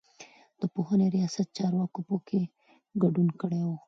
د پوهنې رياست چارواکو په کې ګډون کړی و.